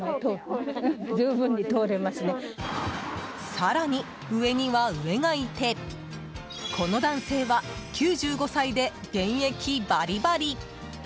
更に、上には上がいてこの男性は９５歳で現役バリバリ。